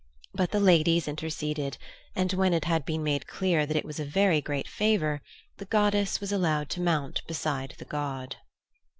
But the ladies interceded, and when it had been made clear that it was a very great favour, the goddess was allowed to mount beside the god.